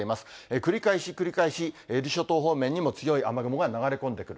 繰り返し繰り返し、伊豆諸島方面にも強い雨雲が流れ込んでくる。